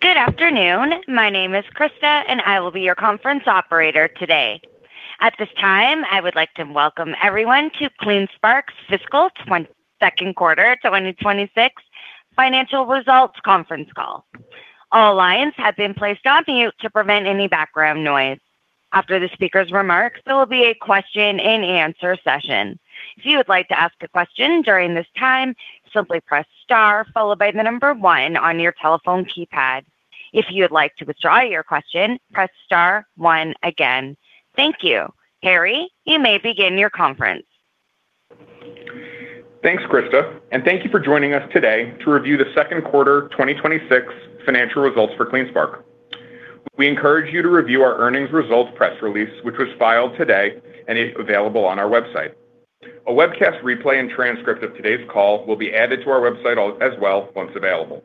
Good afternoon. My name is Krista, and I will be your conference operator today. At this time, I would like to welcome everyone to CleanSpark's Fiscal Second Quarter 2026 Financial Results Conference Call. All lines have been placed on mute to prevent any background noise. After the speaker's remarks, there will be a question-and-answer session. If you would like to ask a question during this time, simply press star followed by the number one on your telephone keypad. If you would like to withdraw your question, press star one again. Thank you. Harry, you may begin your conference. Thanks, Krista, and thank you for joining us today to review the second quarter 2026 financial results for CleanSpark. We encourage you to review our earnings results press release, which was filed today and is available on our website. A webcast replay and transcript of today's call will be added to our website as well once available.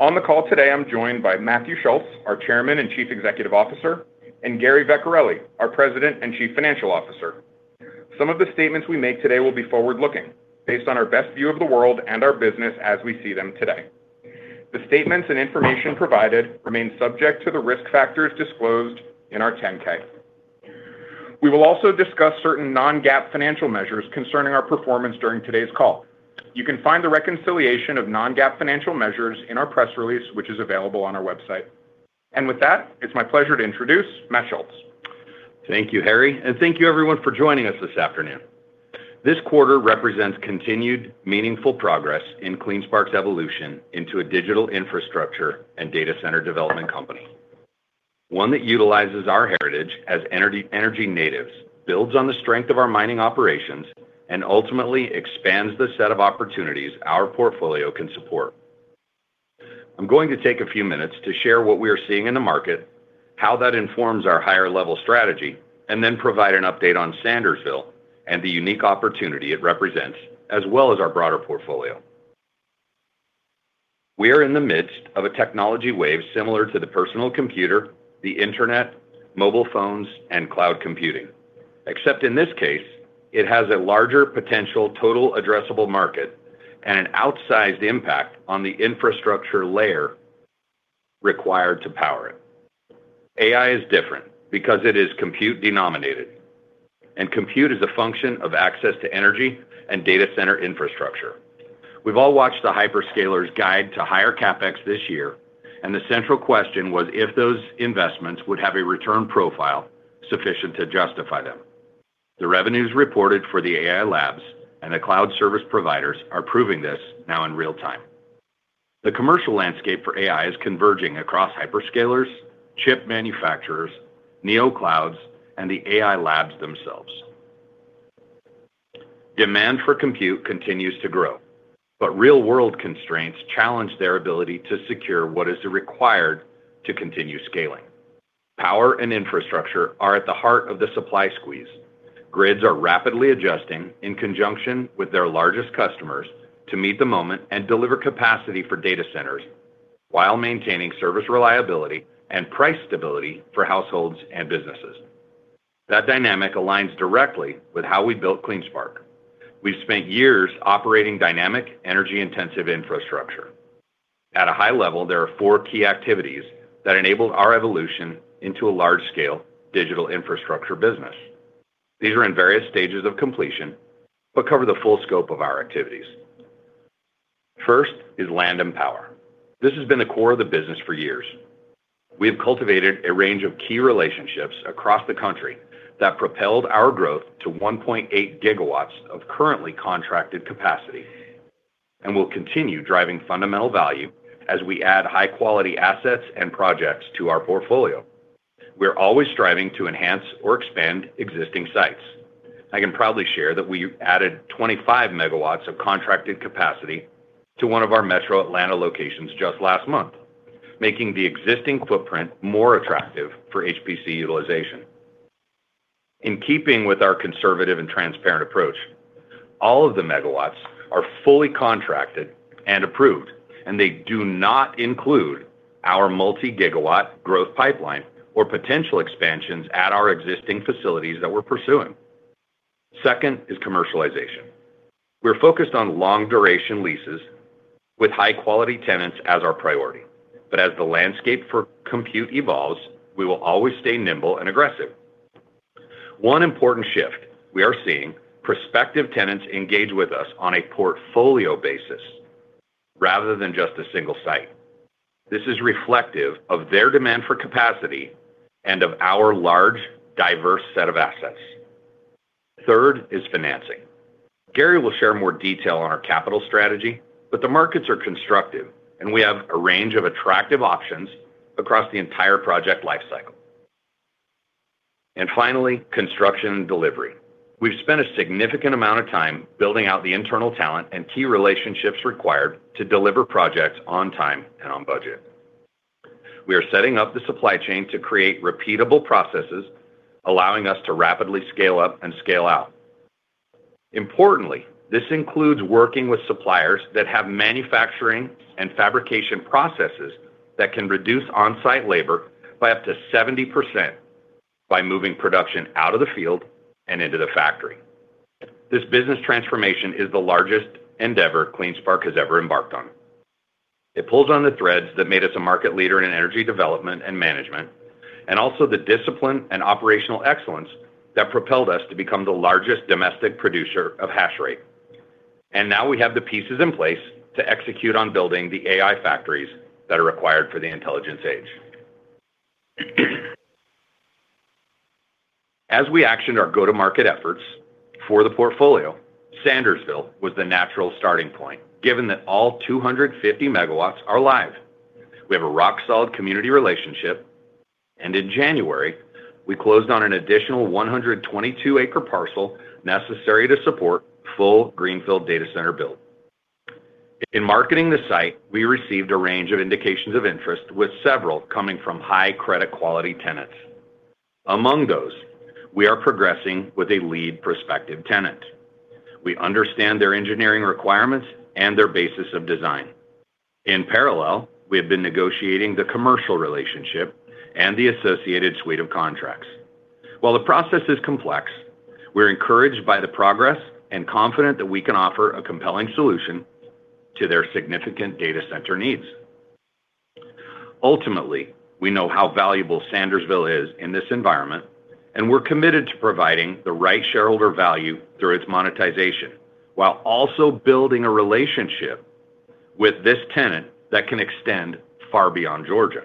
On the call today, I'm joined by Matthew Schultz, our Chairman and Chief Executive Officer, and Gary Vecchiarelli, our President and Chief Financial Officer. Some of the statements we make today will be forward-looking, based on our best view of the world and our business as we see them today. The statements and information provided remain subject to the risk factors disclosed in our 10-K. We will also discuss certain non-GAAP financial measures concerning our performance during today's call. You can find the reconciliation of non-GAAP financial measures in our press release, which is available on our website. With that, it's my pleasure to introduce Matt Schultz. Thank you, Harry, and thank you everyone for joining us this afternoon. This quarter represents continued meaningful progress in CleanSpark's evolution into a digital infrastructure and data center development company. One that utilizes our heritage as energy natives, builds on the strength of our mining operations, and ultimately expands the set of opportunities our portfolio can support. I'm going to take a few minutes to share what we are seeing in the market, how that informs our higher-level strategy, and then provide an update on Sandersville and the unique opportunity it represents, as well as our broader portfolio. We are in the midst of a technology wave similar to the personal computer, the internet, mobile phones, and cloud computing. Except in this case, it has a larger potential total addressable market and an outsized impact on the infrastructure layer required to power it. AI is different because it is compute denominated, and compute is a function of access to energy and data center infrastructure. We've all watched the hyperscalers guide to higher CapEx this year, and the central question was if those investments would have a return profile sufficient to justify them. The revenues reported for the AI labs and the cloud service providers are proving this now in real time. The commercial landscape for AI is converging across hyperscalers, chip manufacturers, Neoclouds, and the AI labs themselves. Demand for compute continues to grow, but real-world constraints challenge their ability to secure what is required to continue scaling. Power and infrastructure are at the heart of the supply squeeze. Grids are rapidly adjusting in conjunction with their largest customers to meet the moment and deliver capacity for data centers while maintaining service reliability and price stability for households and businesses. That dynamic aligns directly with how we built CleanSpark. We've spent years operating dynamic, energy-intensive infrastructure. At a high level, there are four key activities that enabled our evolution into a large-scale digital infrastructure business. These are in various stages of completion but cover the full scope of our activities. First is land and power. This has been the core of the business for years. We have cultivated a range of key relationships across the country that propelled our growth to 1.8 GW of currently contracted capacity and will continue driving fundamental value as we add high-quality assets and projects to our portfolio. We are always striving to enhance or expand existing sites. I can proudly share that we added 25 MW of contracted capacity to one of our metro Atlanta locations just last month, making the existing footprint more attractive for HPC utilization. In keeping with our conservative and transparent approach, all of the megawatts are fully contracted and approved, and they do not include our multi-gigawatt growth pipeline or potential expansions at our existing facilities that we're pursuing. Second is commercialization. We're focused on long-duration leases with high-quality tenants as our priority. As the landscape for compute evolves, we will always stay nimble and aggressive. One important shift we are seeing, prospective tenants engage with us on a portfolio basis rather than just a single site. This is reflective of their demand for capacity and of our large, diverse set of assets. Third is financing. Gary will share more detail on our capital strategy, the markets are constructive, and we have a range of attractive options across the entire project lifecycle. Finally, construction and delivery. We've spent a significant amount of time building out the internal talent and key relationships required to deliver projects on time and on budget. We are setting up the supply chain to create repeatable processes, allowing us to rapidly scale up and scale out. Importantly, this includes working with suppliers that have manufacturing and fabrication processes that can reduce on-site labor by up to 70% by moving production out of the field and into the factory. This business transformation is the largest endeavor CleanSpark has ever embarked on. It pulls on the threads that made us a market leader in energy development and management, also the discipline and operational excellence that propelled us to become the largest domestic producer of hash rate. Now we have the pieces in place to execute on building the AI factories that are required for the intelligence age. As we actioned our go-to-market efforts for the portfolio, Sandersville was the natural starting point, given that all 250 MW are live. We have a rock-solid community relationship. In January, we closed on an additional 122 acre parcel necessary to support full greenfield data center build. In marketing the site, we received a range of indications of interest, with several coming from high credit quality tenants. Among those, we are progressing with a lead prospective tenant. We understand their engineering requirements and their basis of design. In parallel, we have been negotiating the commercial relationship and the associated suite of contracts. While the process is complex, we're encouraged by the progress and confident that we can offer a compelling solution to their significant data center needs. Ultimately, we know how valuable Sandersville is in this environment, and we're committed to providing the right shareholder value through its monetization, while also building a relationship with this tenant that can extend far beyond Georgia.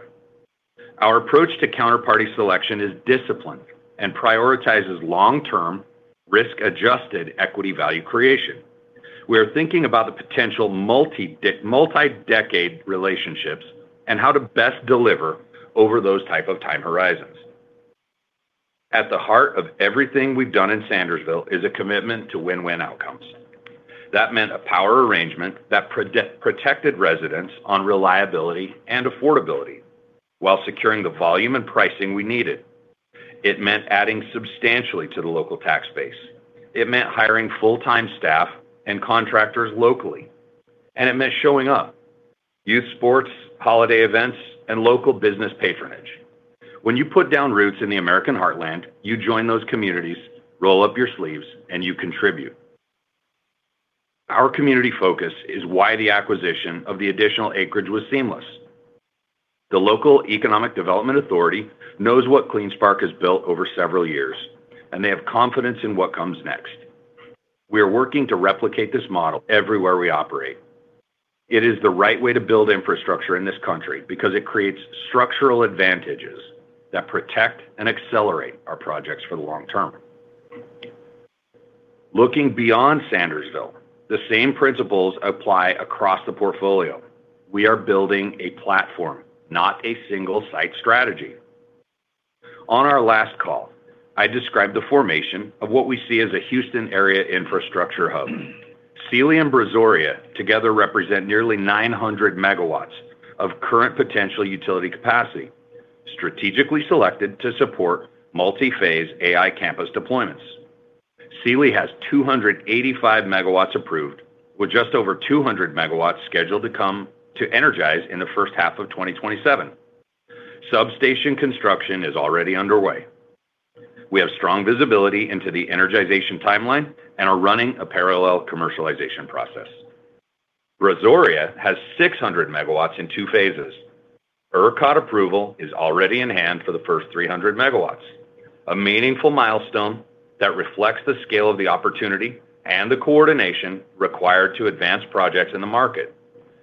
Our approach to counterparty selection is disciplined and prioritizes long-term, risk-adjusted equity value creation. We are thinking about the potential multi-decade relationships and how to best deliver over those type of time horizons. At the heart of everything we've done in Sandersville is a commitment to win-win outcomes. That meant a power arrangement that protected residents on reliability and affordability while securing the volume and pricing we needed. It meant adding substantially to the local tax base. It meant hiring full-time staff and contractors locally, and it meant showing up. Youth sports, holiday events, and local business patronage. When you put down roots in the American heartland, you join those communities, roll up your sleeves, and you contribute. Our community focus is why the acquisition of the additional acreage was seamless. The local economic development authority knows what CleanSpark has built over several years, and they have confidence in what comes next. We are working to replicate this model everywhere we operate. It is the right way to build infrastructure in this country because it creates structural advantages that protect and accelerate our projects for the long term. Looking beyond Sandersville, the same principles apply across the portfolio. We are building a platform, not a single site strategy. On our last call, I described the formation of what we see as a Houston area infrastructure hub. Sealy and Brazoria together represent nearly 900 MW of current potential utility capacity, strategically selected to support multi-phase AI campus deployments. Sealy has 285 MW approved, with just over 200 MW scheduled to come to energize in the first half of 2027. Substation construction is already underway. We have strong visibility into the energization timeline and are running a parallel commercialization process. Brazoria has 600 MW in two phases. ERCOT approval is already in hand for the first 300 MW, a meaningful milestone that reflects the scale of the opportunity and the coordination required to advance projects in the market.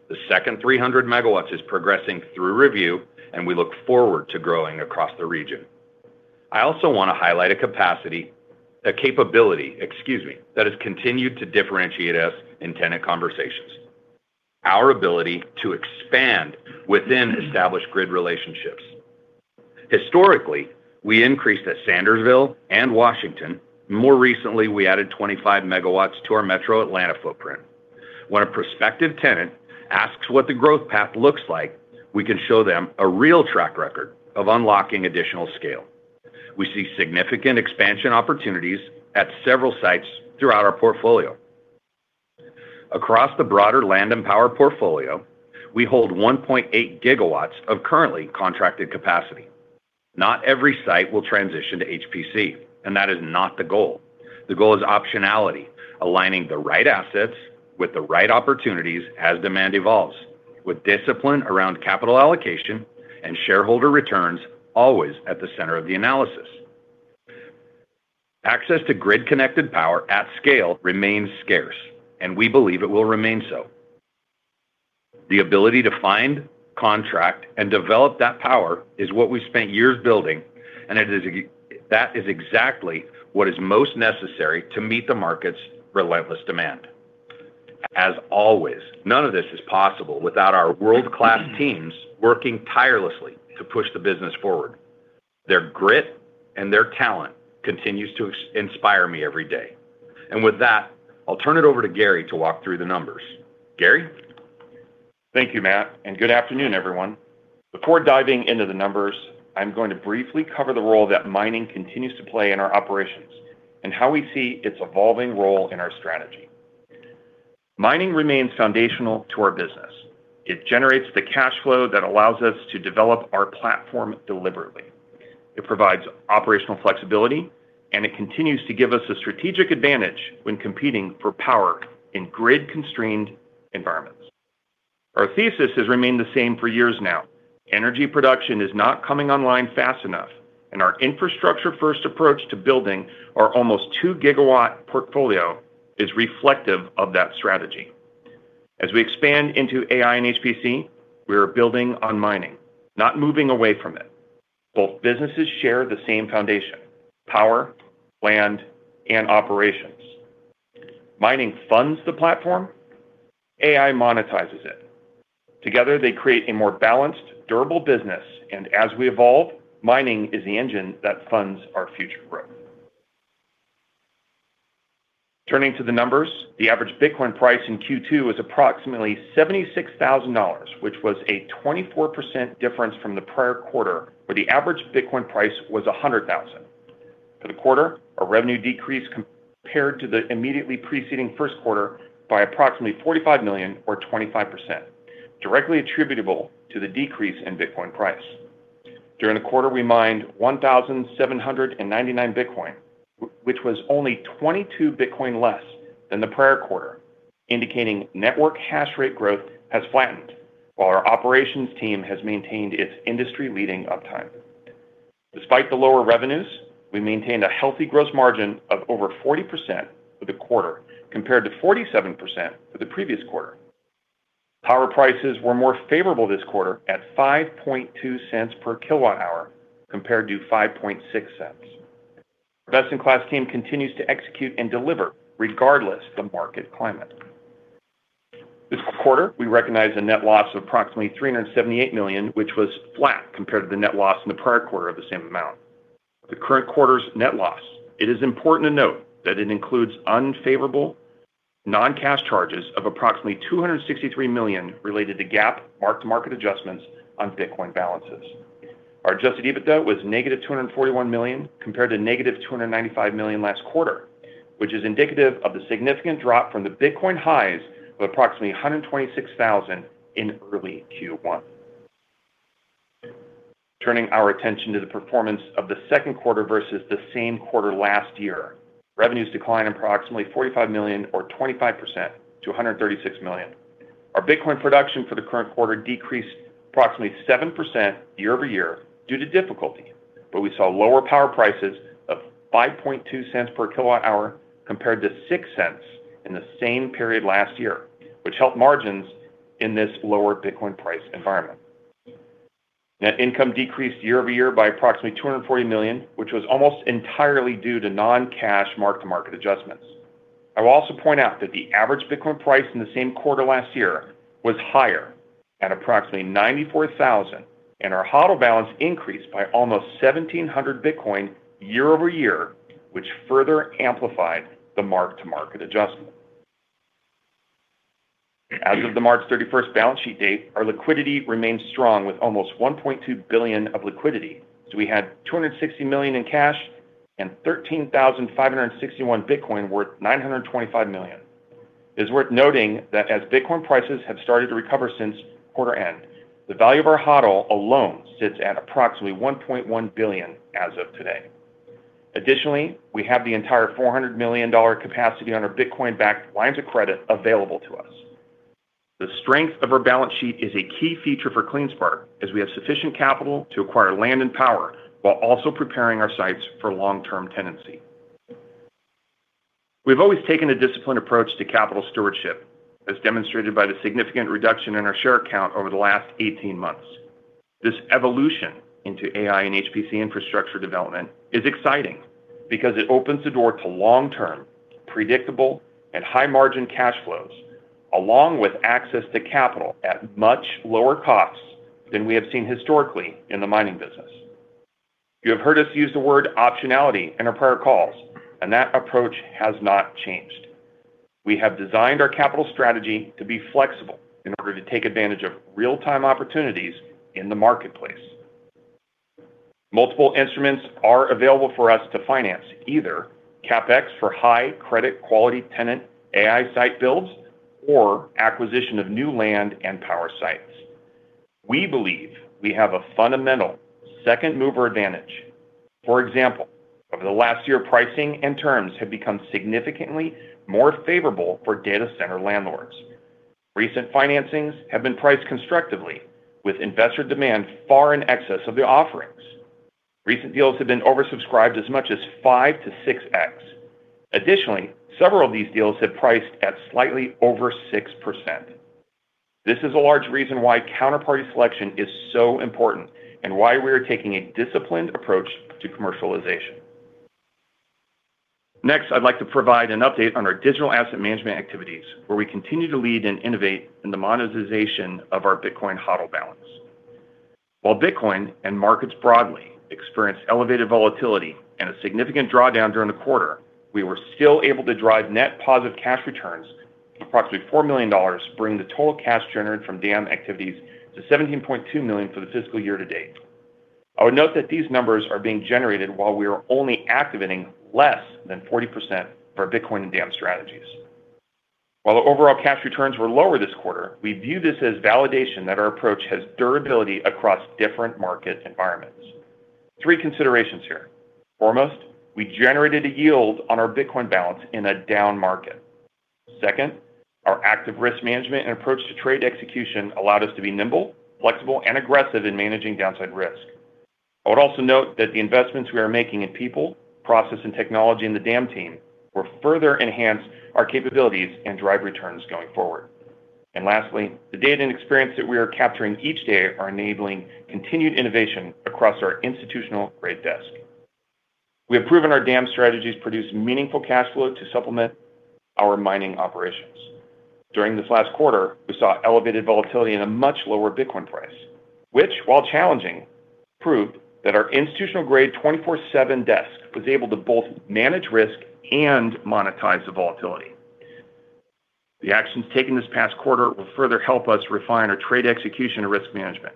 The second 300 MW is progressing through review, and we look forward to growing across the region. I also want to highlight a capability, excuse me, that has continued to differentiate us in tenant conversations, our ability to expand within established grid relationships. Historically, we increased at Sandersville and Washington. More recently, we added 25 MW to our metro Atlanta footprint. When a prospective tenant asks what the growth path looks like, we can show them a real track record of unlocking additional scale. We see significant expansion opportunities at several sites throughout our portfolio. Across the broader land and power portfolio, we hold 1.8 GW of currently contracted capacity. Not every site will transition to HPC, and that is not the goal. The goal is optionality, aligning the right assets with the right opportunities as demand evolves, with discipline around capital allocation and shareholder returns always at the center of the analysis. Access to grid-connected power at scale remains scarce, and we believe it will remain so. The ability to find, contract, and develop that power is what we've spent years building, and that is exactly what is most necessary to meet the market's relentless demand. As always, none of this is possible without our world-class teams working tirelessly to push the business forward. Their grit and their talent continues to inspire me every day. With that, I'll turn it over to Gary to walk through the numbers. Gary? Thank you, Matt. Good afternoon, everyone. Before diving into the numbers, I'm going to briefly cover the role that mining continues to play in our operations and how we see its evolving role in our strategy. Mining remains foundational to our business. It generates the cash flow that allows us to develop our platform deliberately. It provides operational flexibility. It continues to give us a strategic advantage when competing for power in grid-constrained environments. Our thesis has remained the same for years now. Energy production is not coming online fast enough. Our infrastructure-first approach to building our almost 2 GW portfolio is reflective of that strategy. As we expand into AI and HPC, we are building on mining, not moving away from it. Both businesses share the same foundation, power, land, and operations. Mining funds the platform. AI monetizes it. Together, they create a more balanced, durable business, and as we evolve, mining is the engine that funds our future growth. Turning to the numbers, the average Bitcoin price in Q2 was approximately $76,000, which was a 24% difference from the prior quarter, where the average Bitcoin price was $100,000. For the quarter, our revenue decreased compared to the immediately preceding first quarter by approximately $45 million or 25%, directly attributable to the decrease in Bitcoin price. During the quarter, we mined 1,799 Bitcoin, which was only 22 Bitcoin less than the prior quarter, indicating network hash rate growth has flattened, while our operations team has maintained its industry-leading uptime. Despite the lower revenues, we maintained a healthy gross margin of over 40% for the quarter, compared to 47% for the previous quarter. Power prices were more favorable this quarter at $0.052 per kilowatt hour, compared to $0.056. Our best-in-class team continues to execute and deliver regardless of the market climate. This quarter, we recognized a net loss of approximately $378 million, which was flat compared to the net loss in the prior quarter of the same amount. The current quarter's net loss, it is important to note that it includes unfavorable non-cash charges of approximately $263 million related to GAAP mark-to-market adjustments on Bitcoin balances. Our adjusted EBITDA was negative $241 million, compared to negative $295 million last quarter, which is indicative of the significant drop from the Bitcoin highs of approximately $126,000 in early Q1. Turning our attention to the performance of the second quarter versus the same quarter last year, revenues declined approximately $45 million or 25% to $136 million. Our Bitcoin production for the current quarter decreased approximately 7% year-over-year due to difficulty, but we saw lower power prices of $0.052 per kWh compared to $0.06 in the same period last year, which helped margins in this lower Bitcoin price environment. Net income decreased year-over-year by approximately $240 million, which was almost entirely due to non-cash mark-to-market adjustments. I will also point out that the average Bitcoin price in the same quarter last year was higher at approximately $94,000, and our HODL balance increased by almost 1,700 Bitcoin year-over-year, which further amplified the mark-to-market adjustment. As of the March 31st balance sheet date, our liquidity remains strong with almost $1.2 billion of liquidity, as we had $260 million in cash and 13,561 Bitcoin worth $925 million. It is worth noting that as Bitcoin prices have started to recover since quarter end, the value of our HODL alone sits at approximately $1.1 billion as of today. Additionally, we have the entire $400 million capacity on our Bitcoin-backed lines of credit available to us. The strength of our balance sheet is a key feature for CleanSpark, as we have sufficient capital to acquire land and power while also preparing our sites for long-term tenancy. We have always taken a disciplined approach to capital stewardship, as demonstrated by the significant reduction in our share count over the last 18 months. This evolution into AI and HPC infrastructure development is exciting because it opens the door to long-term, predictable, and high-margin cash flows, along with access to capital at much lower costs than we have seen historically in the mining business. You have heard us use the word optionality in our prior calls, and that approach has not changed. We have designed our capital strategy to be flexible in order to take advantage of real-time opportunities in the marketplace. Multiple instruments are available for us to finance, either CapEx for high credit quality tenant AI site builds or acquisition of new land and power sites. We believe we have a fundamental second mover advantage. For example, over the last year, pricing and terms have become significantly more favorable for data center landlords. Recent financings have been priced constructively with investor demand far in excess of the offerings. Recent deals have been oversubscribed as much as 5x to 6x. Additionally, several of these deals have priced at slightly over 6%. This is a large reason why counterparty selection is so important and why we are taking a disciplined approach to commercialization. Next, I'd like to provide an update on our digital asset management activities, where we continue to lead and innovate in the monetization of our Bitcoin HODL balance. While Bitcoin and markets broadly experienced elevated volatility and a significant drawdown during the quarter, we were still able to drive net positive cash returns of approximately $4 million, bringing the total cash generated from DAM activities to $17.2 million for the fiscal year to date. I would note that these numbers are being generated while we are only activating less than 40% for Bitcoin and DAM strategies. While the overall cash returns were lower this quarter, we view this as validation that our approach has durability across different market environments. Three considerations here. Foremost, we generated a yield on our Bitcoin balance in a down market. Second, our active risk management and approach to trade execution allowed us to be nimble, flexible, and aggressive in managing downside risk. I would also note that the investments we are making in people, process, and technology in the DAM team will further enhance our capabilities and drive returns going forward. Lastly, the data and experience that we are capturing each day are enabling continued innovation across our institutional-grade desk. We have proven our DAM strategies produce meaningful cash flow to supplement our mining operations. During this last quarter, we saw elevated volatility and a much lower Bitcoin price, which, while challenging, proved that our institutional-grade 24/7 desk was able to both manage risk and monetize the volatility. The actions taken this past quarter will further help us refine our trade execution and risk management.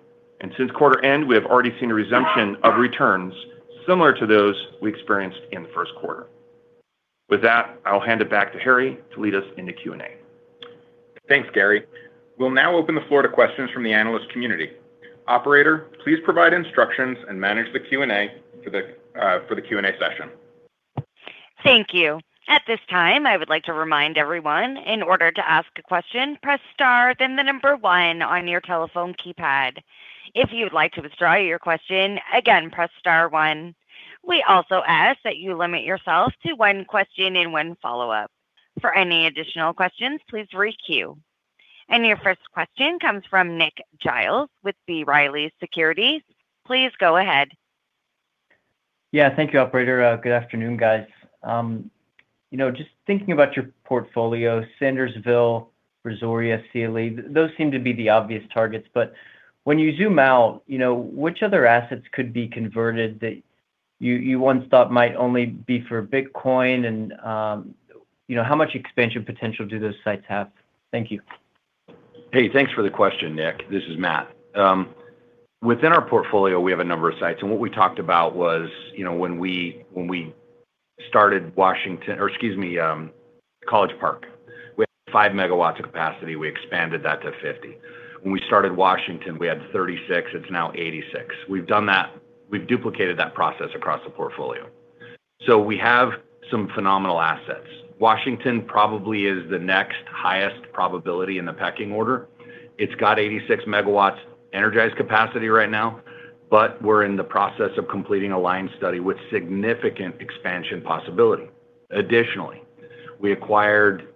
Since quarter end, we have already seen a resumption of returns similar to those we experienced in the first quarter. With that, I'll hand it back to Harry to lead us into Q&A. Thanks, Gary. We'll now open the floor to questions from the analyst community. Operator, please provide instructions and manage the Q&A for the Q&A session. Thank you. Your first question comes from Nick Giles with B. Riley Securities. Please go ahead. Yeah. Thank you, operator. Good afternoon, guys. You know, just thinking about your portfolio, Sandersville, Brazoria, Sealy, those seem to be the obvious targets. When you zoom out, you know, which other assets could be converted that you once thought might only be for Bitcoin? You know, how much expansion potential do those sites have? Thank you. Hey, thanks for the question, Nick. This is Matt. Within our portfolio, we have a number of sites, and what we talked about was, when we, when we started Washington, or excuse me, College Park, we had 5 MW of capacity. We expanded that to 50 MW. When we started Washington, we had 36 MW. It's now 86MW. We've duplicated that process across the portfolio. We have some phenomenal assets. Washington probably is the next highest probability in the pecking order. It's got 86 MW energized capacity right now, but we're in the process of completing a line study with significant expansion possibility. Additionally, we acquired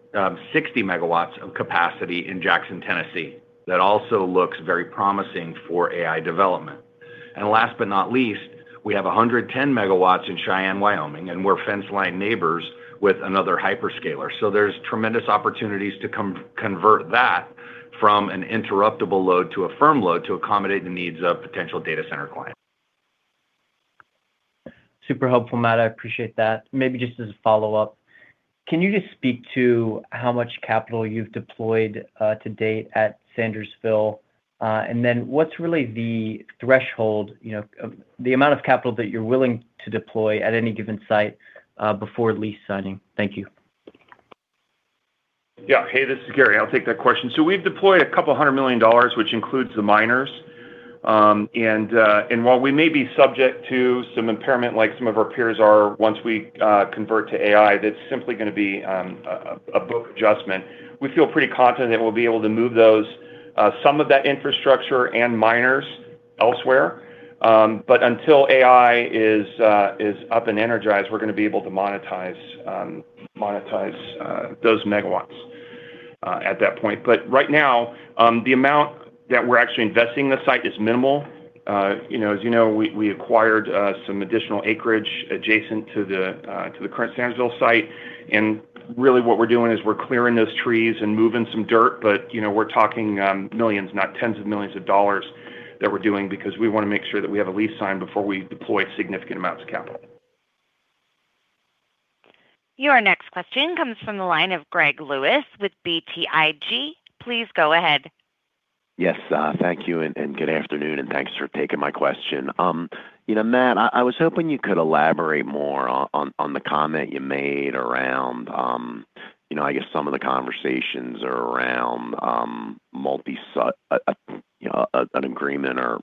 60 MW of capacity in Jackson, Tennessee that also looks very promising for AI development. Last but not least, we have 110 MW in Cheyenne, Wyoming, and we're fence line neighbors with another hyperscaler. There's tremendous opportunities to convert that from an interruptible load to a firm load to accommodate the needs of potential data center clients. Super helpful, Matt. I appreciate that. Maybe just as a follow-up, can you just speak to how much capital you've deployed to date at Sandersville? And then what's really the threshold, you know, of the amount of capital that you're willing to deploy at any given site before lease signing? Thank you. Yeah. Hey, this is Gary. I'll take that question. We've deployed $200 million, which includes the miners. While we may be subject to some impairment like one of our peers are once we convert to AI, that's simply gonna be a book adjustment. We feel pretty confident that we'll be able to move those some of that infrastructure and miners elsewhere. Until AI is up and energized, we're gonna be able to monetize those megawatts at that point. Right now, the amount that we're actually investing in the site is minimal. You know, as you know, we acquired some additional acreage adjacent to the current Sandersville site. Really what we're doing is we're clearing those trees and moving some dirt. You know, we're talking, millions, not tens of millions of dollars that we're doing because we wanna make sure that we have a lease signed before we deploy significant amounts of capital. Your next question comes from the line of Gregory Lewis with BTIG. Please go ahead. Yes. Thank you and good afternoon, and thanks for taking my question. You know, Matt, I was hoping you could elaborate more on the comment you made around, you know, I guess some of the conversations around an agreement or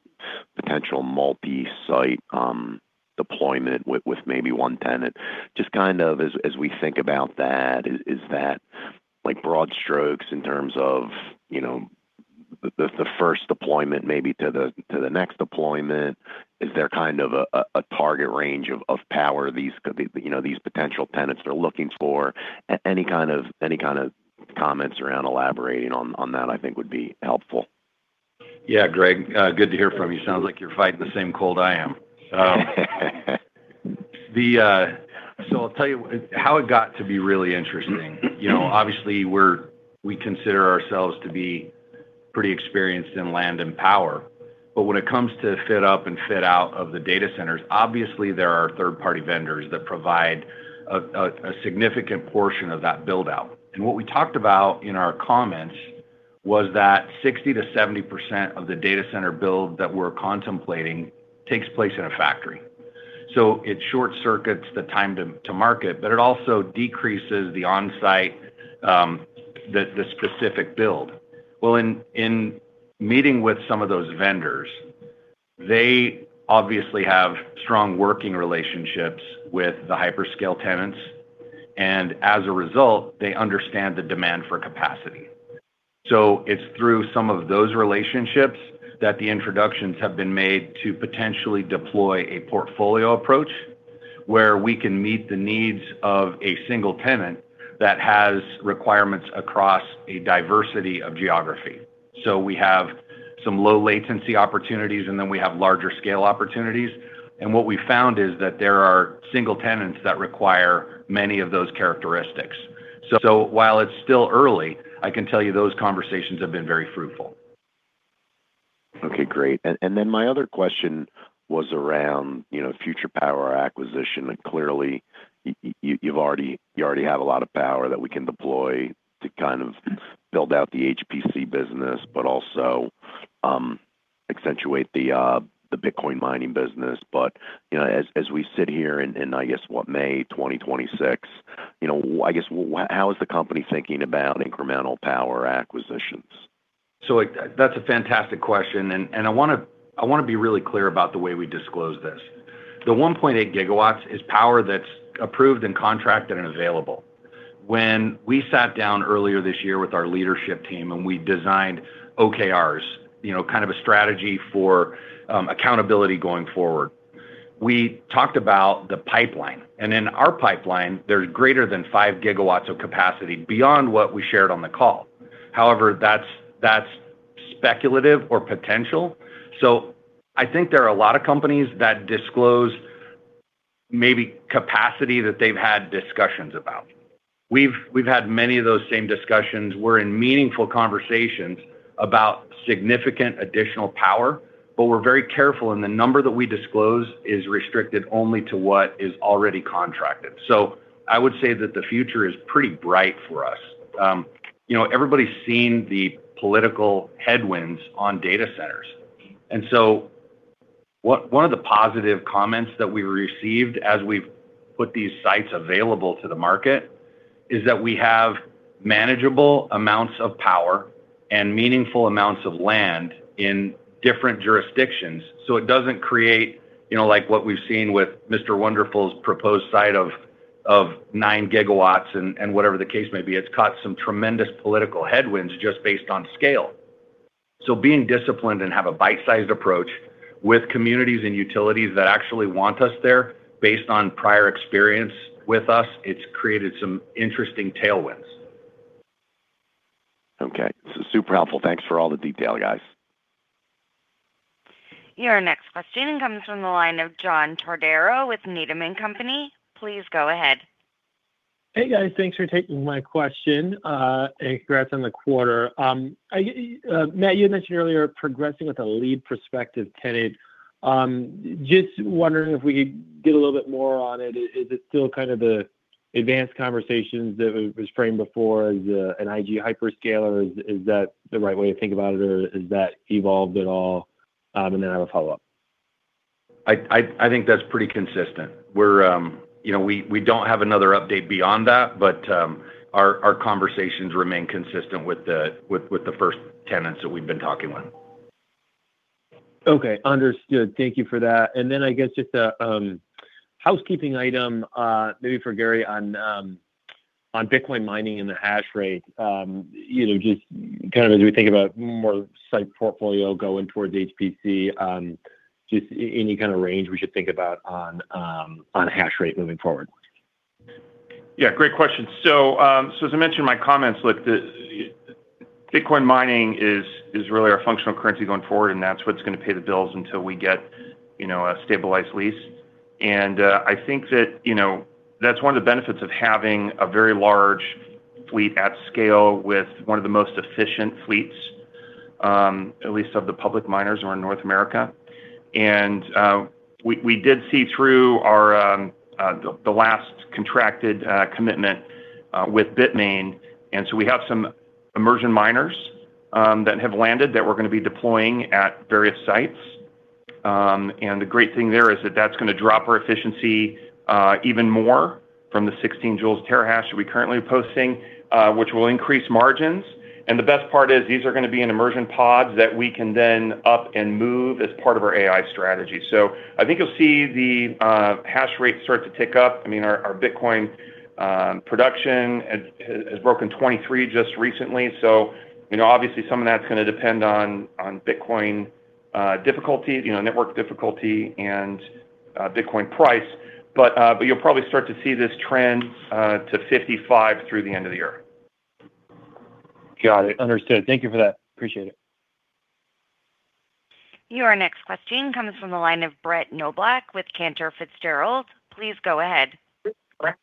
potential multi-site deployment with maybe one tenant. Just kind of as we think about that, is that like broad strokes in terms of, you know, the first deployment maybe to the next deployment? Is there kind of a target range of power these could be, you know, these potential tenants are looking for? Any kind of comments around elaborating on that I think would be helpful. Yeah. Greg, good to hear from you. Sounds like you're fighting the same cold I am. I'll tell you how it got to be really interesting. You know, obviously, we consider ourselves to be pretty experienced in land and power. When it comes to fit up and fit out of the data centers, obviously there are third-party vendors that provide a significant portion of that build-out. What we talked about in our comments was that 60%-70% of the data center build that we're contemplating takes place in a factory. It short-circuits the time to market, but it also decreases the on-site specific build. Well, in meeting with some of those vendors, they obviously have strong working relationships with the hyperscale tenants, as a result, they understand the demand for capacity. It's through some of those relationships that the introductions have been made to potentially deploy a portfolio approach where we can meet the needs of a single tenant that has requirements across a diversity of geography. We have some low latency opportunities, and then we have larger scale opportunities. What we found is that there are single tenants that require many of those characteristics. While it's still early, I can tell you those conversations have been very fruitful. Okay, great. My other question was around, you know, future power acquisition. Clearly, you already have a lot of power that we can deploy to kind of build out the HPC business, but also accentuate the Bitcoin mining business. You know, as we sit here in, I guess, what, May 2026, you know, I guess, how is the company thinking about incremental power acquisitions? Like, that's a fantastic question, and I wanna be really clear about the way we disclose this. The 1.8 GW is power that's approved and contracted and available. When we sat down earlier this year with our leadership team and we designed OKRs, you know, kind of a strategy for accountability going forward, we talked about the pipeline. In our pipeline, there's greater than 5 GW of capacity beyond what we shared on the call. However, that's speculative or potential. I think there are a lot of companies that disclose maybe capacity that they've had discussions about. We've had many of those same discussions. We're in meaningful conversations about significant additional power, we're very careful, the number that we disclose is restricted only to what is already contracted. I would say that the future is pretty bright for us. You know, everybody's seen the political headwinds on data centers. One of the positive comments that we received as we've put these sites available to the market is that we have manageable amounts of power and meaningful amounts of land in different jurisdictions. It doesn't create, you know, like what we've seen with Kevin O'Leary's proposed site of 9 GW and whatever the case may be. It's caught some tremendous political headwinds just based on scale. Being disciplined and have a bite-sized approach with communities and utilities that actually want us there based on prior experience with us, it's created some interesting tailwinds. Okay. This is super helpful. Thanks for all the detail, guys. Your next question comes from the line of John Todaro with Needham & Company. Please go ahead. Hey, guys. Thanks for taking my question. Congrats on the quarter. Matt, you had mentioned earlier progressing with a lead prospective tenant. Just wondering if we could get a little bit more on it. Is it still kind of the advanced conversations that it was framed before as an IG hyperscaler? Is that the right way to think about it, or is that evolved at all? Then I have a follow-up. I think that's pretty consistent. We're, you know, we don't have another update beyond that, but our conversations remain consistent with the first tenants that we've been talking with. Okay. Understood. Thank you for that. I guess just a housekeeping item, maybe for Gary on Bitcoin mining and the hash rate. You know, just kind of as we think about more site portfolio going towards HPC, just any kind of range we should think about on hash rate moving forward? Yeah, great question. As I mentioned in my comments, look, Bitcoin mining is really our functional currency going forward, and that's what's gonna pay the bills until we get, you know, a stabilized lease. I think that, you know, that's one of the benefits of having a very large fleet at scale with one of the most efficient fleets, at least of the public miners who are in North America. We did see through our last contracted commitment with Bitmain. We have some immersion miners that have landed that we're gonna be deploying at various sites. The great thing there is that that's gonna drop our efficiency even more from the 16 joules terahash that we currently are posting, which will increase margins. The best part is these are gonna be in immersion pods that we can then up and move as part of our AI strategy. I think you'll see the hash rate start to tick up. I mean, our Bitcoin production has broken 23 just recently. You know, obviously some of that's gonna depend on Bitcoin difficulty, you know, network difficulty and Bitcoin price. But you'll probably start to see this trend to 55 through the end of the year. Got it. Understood. Thank you for that. Appreciate it. Your next question comes from the line of Brett Knoblauch with Cantor Fitzgerald. Please go ahead. Brett.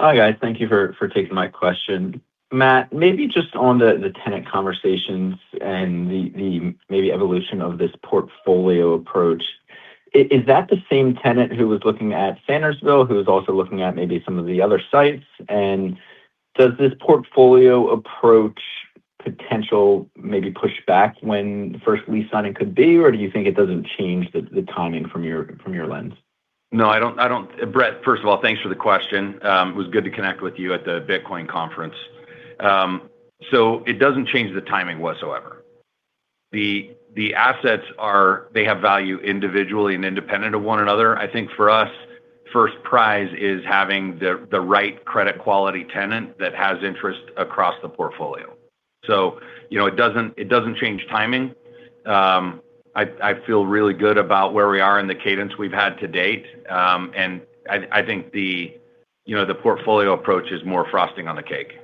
Hi, guys. Thank you for taking my question. Matt, maybe just on the tenant conversations and the maybe evolution of this portfolio approach. Is that the same tenant who was looking at Sandersville, who was also looking at maybe some of the other sites? Does this portfolio approach potential maybe pushback when the first lease signing could be? Or do you think it doesn't change the timing from your lens? No, I don't Brett, first of all, thanks for the question. It was good to connect with you at the Bitcoin conference. It doesn't change the timing whatsoever. They have value individually and independent of one another. I think for us, first prize is having the right credit quality tenant that has interest across the portfolio. You know, it doesn't change timing. I feel really good about where we are in the cadence we've had to date. I think, you know, the portfolio approach is more frosting on the cake.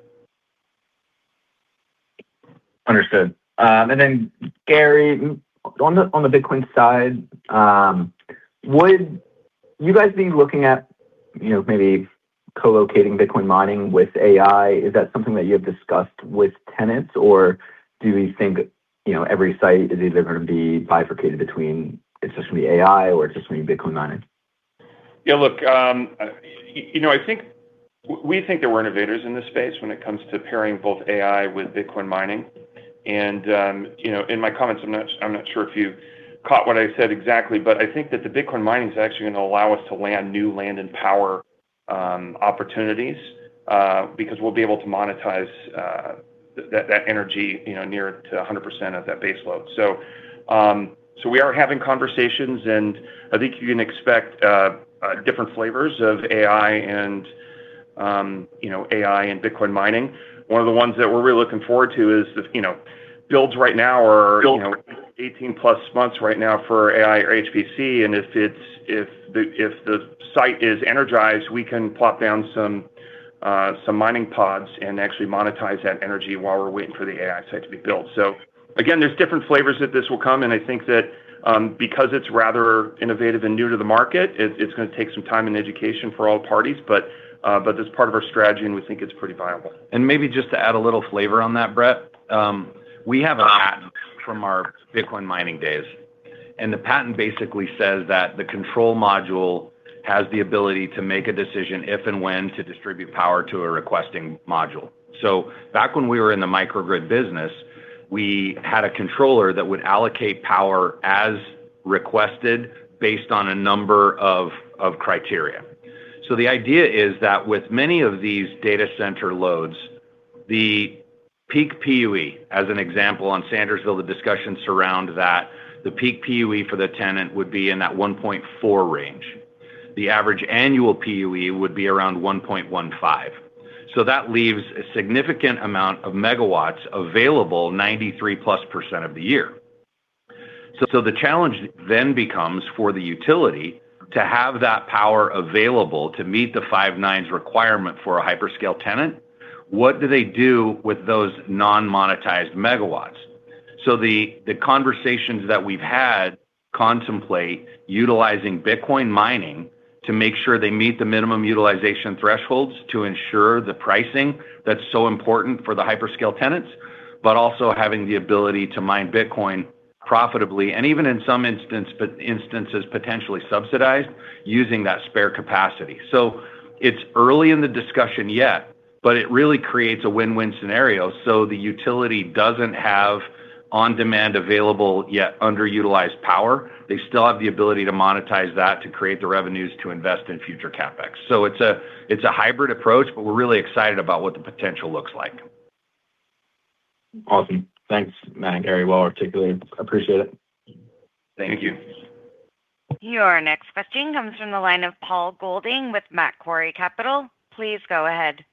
Understood. Gary, on the Bitcoin side, would you guys be looking at, you know, maybe co-locating Bitcoin mining with AI? Is that something that you have discussed with tenants? Do we think, you know, every site is either gonna be bifurcated between it's just gonna be AI or it's just gonna be Bitcoin mining? Yeah, look, you know, We think that we're innovators in this space when it comes to pairing both AI with Bitcoin mining. You know, in my comments, I'm not sure if you caught what I said exactly, but I think that the Bitcoin mining is actually gonna allow us to land new land and power opportunities, because we'll be able to monetize that energy, you know, near to 100% of that base load. We are having conversations, and I think you can expect different flavors of AI and, you know, AI and Bitcoin mining. One of the ones that we're really looking forward to is this, you know, builds right now are, you know, 18 plus months right now for AI or HPC, and if the site is energized, we can plop down some mining pods and actually monetize that energy while we're waiting for the AI site to be built. Again, there's different flavors that this will come, and I think that because it's rather innovative and new to the market, it's gonna take some time and education for all parties. That's part of our strategy, and we think it's pretty viable. Maybe just to add a little flavor on that, Brett. We have a patent from our Bitcoin mining days, and the patent basically says that the control module has the ability to make a decision if and when to distribute power to a requesting module. Back when we were in the microgrid business, we had a controller that would allocate power as requested based on a number of criteria. The idea is that with many of these data center loads, the peak PUE, as an example, on Sandersville, the discussions around that, the peak PUE for the tenant would be in that 1.4 range. The average annual PUE would be around 1.15. That leaves a significant amount of MW available 93+% of the year. The challenge then becomes for the utility to have that power available to meet the five nines requirement for a hyperscale tenant. What do they do with those non-monetized megawatts? The conversations that we've had contemplate utilizing Bitcoin mining to make sure they meet the minimum utilization thresholds to ensure the pricing that's so important for the hyperscale tenants, but also having the ability to mine Bitcoin profitably, and even in some instances, potentially subsidized using that spare capacity. It's early in the discussion yet, but it really creates a win-win scenario. The utility doesn't have on-demand available yet underutilized power. They still have the ability to monetize that to create the revenues to invest in future CapEx. It's a hybrid approach, but we're really excited about what the potential looks like. Awesome. Thanks, Matt and Gary. Well articulated. Appreciate it. Thank you. Thank you. Your next question comes from the line of Paul Golding with Macquarie Capital. Please go ahead.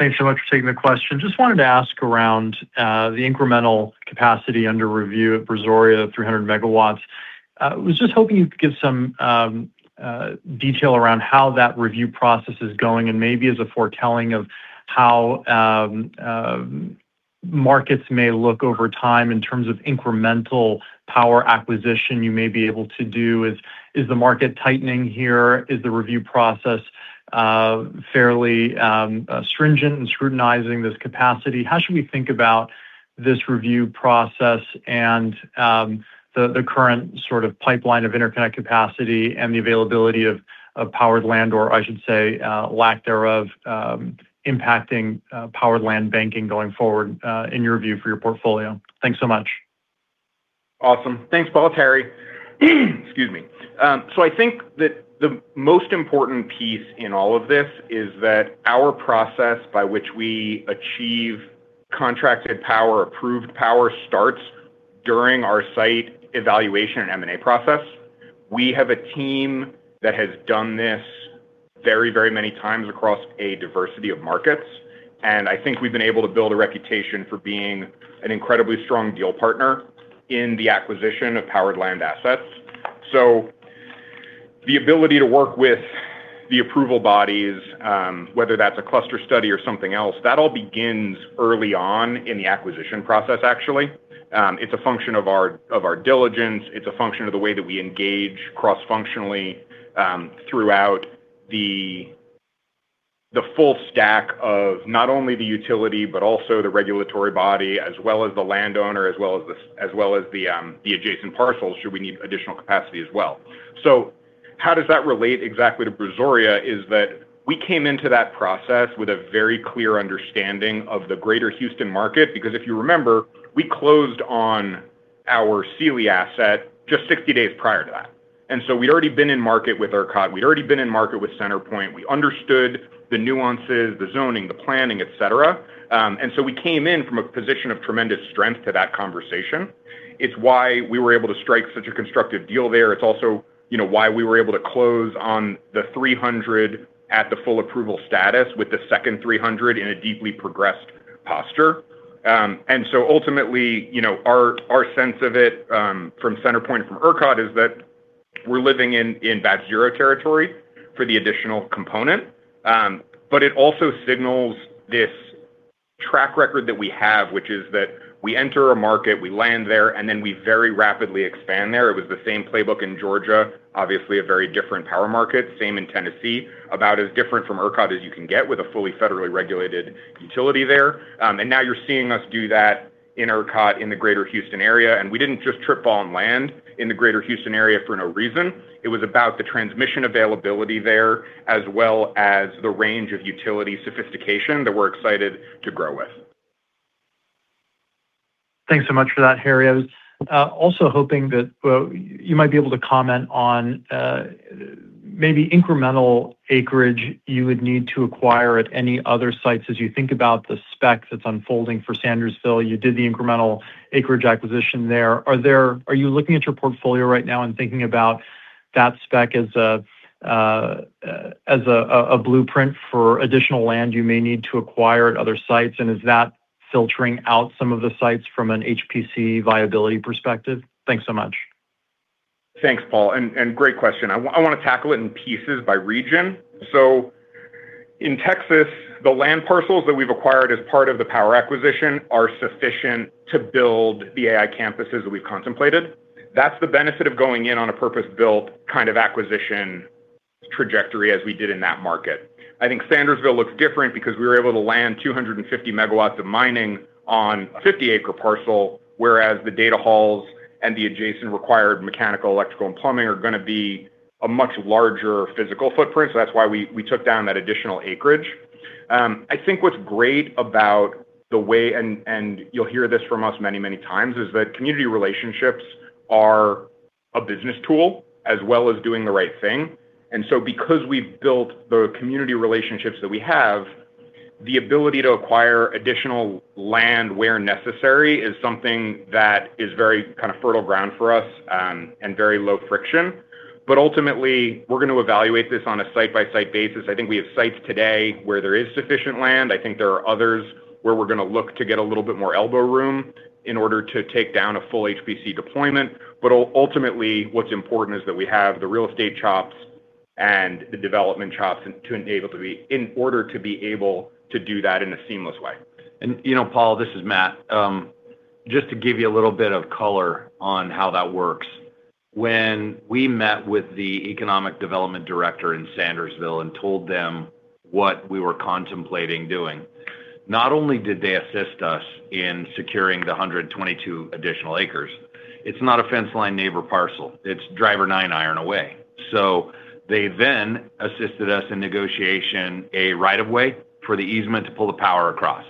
Thanks so much for taking the question. Just wanted to ask around the incremental capacity under review at Brazoria, 300 MW. Was just hoping you could give some detail around how that review process is going and maybe as a foretelling of how markets may look over time in terms of incremental power acquisition you may be able to do. Is the market tightening here? Is the review process fairly stringent in scrutinizing this capacity? How should we think about this review process and the current sort of pipeline of interconnect capacity and the availability of powered land, or I should say, lack thereof, impacting powered land banking going forward in your view for your portfolio? Thanks so much. Awesome. Thanks, Paul. It's Harry. Excuse me. I think that the most important piece in all of this is that our process by which we achieve contracted power, approved power starts during our site evaluation and M&A process. We have a team that has done this very, very many times across a diversity of markets, I think we've been able to build a reputation for being an incredibly strong deal partner in the acquisition of powered land assets. The ability to work with the approval bodies, whether that's a cluster study or something else, that all begins early on in the acquisition process, actually. It's a function of our diligence. It's a function of the way that we engage cross-functionally. The full stack of not only the utility, but also the regulatory body, as well as the landowner, as well as the adjacent parcels should we need additional capacity as well. How does that relate exactly to Brazoria is that we came into that process with a very clear understanding of the greater Houston market. Because if you remember, we closed on our Sealy asset just 60 days prior to that. We'd already been in market with ERCOT. We'd already been in market with CenterPoint. We understood the nuances, the zoning, the planning, et cetera. We came in from a position of tremendous strength to that conversation. It's why we were able to strike such a constructive deal there. It's also, you know, why we were able to close on the 300 at the full approval status with the second 300 in a deeply progressed posture. Ultimately, you know, our sense of it, from CenterPoint and from ERCOT is that we're living in bad zero territory for the additional component. It also signals this track record that we have, which is that we enter a market, we land there, and then we very rapidly expand there. It was the same playbook in Georgia, obviously a very different power market. Same in Tennessee, about as different from ERCOT as you can get with a fully federally regulated utility there. Now you're seeing us do that in ERCOT in the greater Houston area, and we didn't just trip, fall, and land in the greater Houston area for no reason. It was about the transmission availability there as well as the range of utility sophistication that we're excited to grow with. Thanks so much for that, Harry. I was also hoping that you might be able to comment on maybe incremental acreage you would need to acquire at any other sites as you think about the spec that's unfolding for Sandersville. You did the incremental acreage acquisition there. Are you looking at your portfolio right now and thinking about that spec as a blueprint for additional land you may need to acquire at other sites? Is that filtering out some of the sites from an HPC viability perspective? Thanks so much. Thanks, Paul, and great question. I wanna tackle it in pieces by region. In Texas, the land parcels that we've acquired as part of the power acquisition are sufficient to build the AI campuses that we've contemplated. That's the benefit of going in on a purpose-built kind of acquisition trajectory as we did in that market. I think Sandersville looks different because we were able to land 250 M of mining on a 50-acre parcel, whereas the data halls and the adjacent required mechanical, electrical, and plumbing are gonna be a much larger physical footprint. That's why we took down that additional acreage. I think what's great about the way, and you'll hear this from us many times, is that community relationships are a business tool as well as doing the right thing. Because we've built the community relationships that we have, the ability to acquire additional land where necessary is something that is very kind of fertile ground for us and very low friction. Ultimately, we're gonna evaluate this on a site-by-site basis. I think we have sites today where there is sufficient land. I think there are others where we're gonna look to get a little bit more elbow room in order to take down a full HPC deployment. Ultimately, what's important is that we have the real estate chops and the development chops in order to be able to do that in a seamless. You know, Paul, this is Matt. Just to give you a little bit of color on how that works. When we met with the economic development director in Sandersville and told them what we were contemplating doing, not only did they assist us in securing the 122 additional acres, it's not a fence line neighbor parcel. It's driver 9-iron away. They then assisted us in negotiating a right of way for the easement to pull the power across.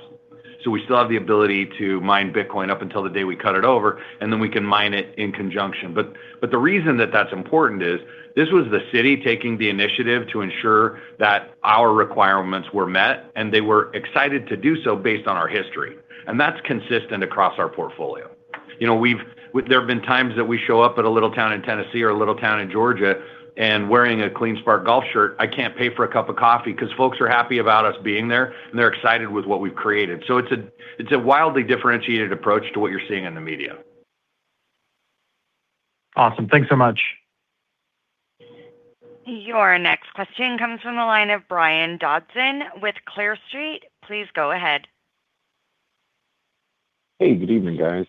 We still have the ability to mine Bitcoin up until the day we cut it over, and then we can mine it in conjunction. The reason that that's important is this was the city taking the initiative to ensure that our requirements were met, and they were excited to do so based on our history. That's consistent across our portfolio. You know, there have been times that we show up at a little town in Tennessee or a little town in Georgia and wearing a CleanSpark golf shirt, I can't pay for a cup of coffee because folks are happy about us being there, and they're excited with what we've created. It's a, it's a wildly differentiated approach to what you're seeing in the media. Awesome. Thanks so much. Your next question comes from the line of Brian Dobson with Clear Street. Please go ahead. Hey, good evening, guys.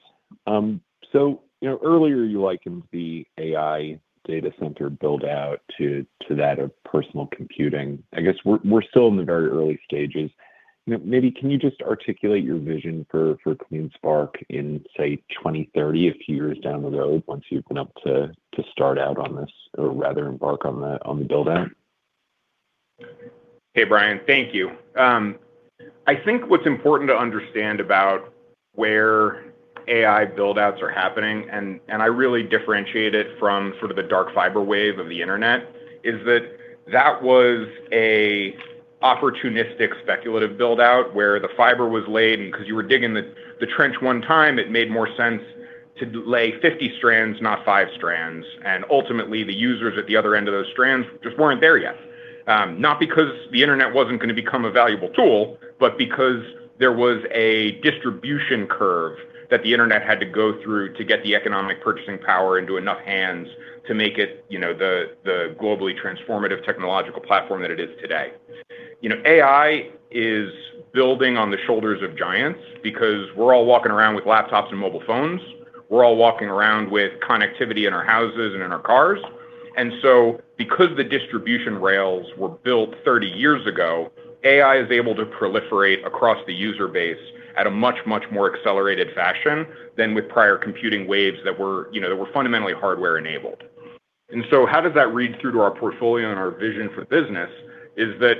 You know, earlier, you likened the AI data center build-out to that of personal computing. I guess we're still in the very early stages. You know, maybe can you just articulate your vision for CleanSpark in, say, 2030, a few years down the road once you've been able to start out on this or rather embark on the build-out? Hey, Brian. Thank you. I think what's important to understand about where AI build-outs are happening, and I really differentiate it from sort of the dark fiber wave of the Internet, is that that was a opportunistic speculative build-out where the fiber was laid, and because you were digging the trench one time, it made more sense to lay 50 strands, not five strands. Ultimately, the users at the other end of those strands just weren't there yet. Not because the Internet wasn't gonna become a valuable tool, but because there was a distribution curve that the Internet had to go through to get the economic purchasing power into enough hands to make it, you know, the globally transformative technological platform that it is today. You know, AI is building on the shoulders of giants because we're all walking around with laptops and mobile phones. We're all walking around with connectivity in our houses and in our cars. Because the distribution rails were built 30 years ago, AI is able to proliferate across the user base at a much, much more accelerated fashion than with prior computing waves that were, you know, that were fundamentally hardware enabled. How does that read through to our portfolio and our vision for the business is that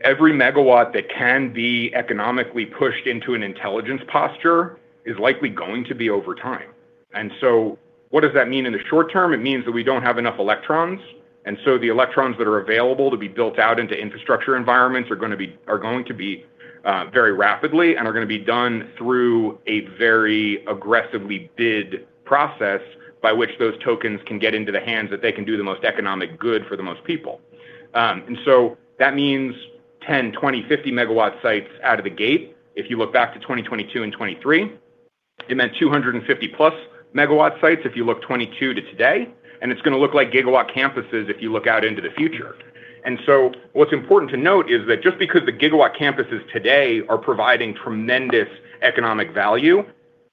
every megawatt that can be economically pushed into an intelligence posture is likely going to be over time. What does that mean in the short term? It means that we don't have enough electrons. The electrons that are available to be built out into infrastructure environments are going to be very rapidly and are gonna be done through a very aggressively bid process by which those tokens can get into the hands that they can do the most economic good for the most people. That means 10, 20, 50 megawatt sites out of the gate if you look back to 2022 and 2023. It meant 250+ megawatt sites if you look 2022 to today. It's gonna look like gigawatt campuses if you look out into the future. What's important to note is that just because the gigawatt campuses today are providing tremendous economic value,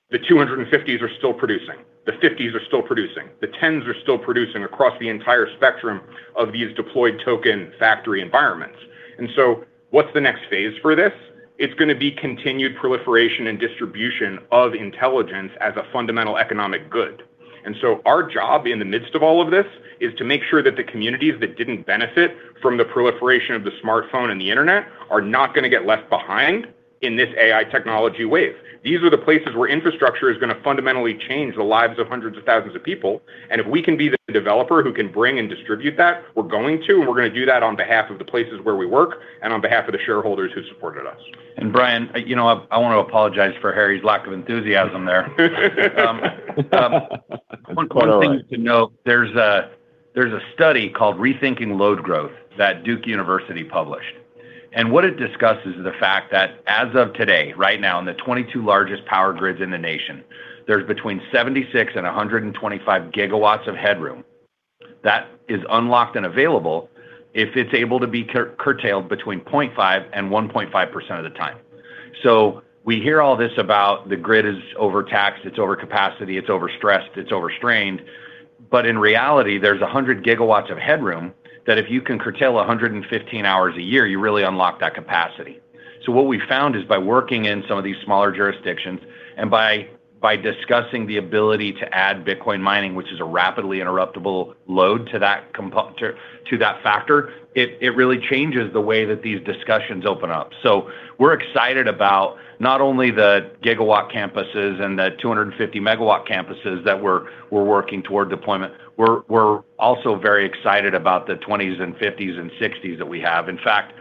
the 250s are still producing, the 50s are still producing, the 10s are still producing across the entire spectrum of these deployed token factory environments. What's the next phase for this? It's gonna be continued proliferation and distribution of intelligence as a fundamental economic good. Our job in the midst of all of this is to make sure that the communities that didn't benefit from the proliferation of the smartphone and the internet are not gonna get left behind in this AI technology wave. These are the places where infrastructure is gonna fundamentally change the lives of hundreds of thousands of people. If we can be the developer who can bring and distribute that, we're gonna do that on behalf of the places where we work and on behalf of the shareholders who supported us. Brian, you know, I wanna apologize for Harry's lack of enthusiasm there. It's quite all right. One thing to note, there's a study called Rethinking Load Growth that Duke University published. What it discusses is the fact that as of today, right now in the 22 largest power grids in the nation, there's between 76 and 125 gigawatts of headroom that is unlocked and available if it's able to be curtailed between 0.5% and 1.5% of the time. We hear all this about the grid is overtaxed, it's over capacity, it's overstressed, it's overstrained, but in reality, there's 100 gigawatts of headroom that if you can curtail 115 hours a year, you really unlock that capacity. What we found is by working in some of these smaller jurisdictions and by discussing the ability to add Bitcoin mining, which is a rapidly interruptible load to that factor, it really changes the way that these discussions open up. We're excited about not only the gigawatt campuses and the 250 megawatt campuses that we're working toward deployment. We're also very excited about the 20s and 50s and 60s that we have. In fact,